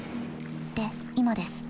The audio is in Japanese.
で今です。